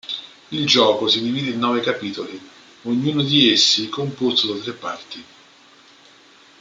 Il gioco si divide in nove capitoli, ognuno di essi composto da tre parti.